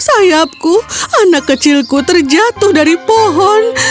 sayapku anak kecilku terjatuh dari pohon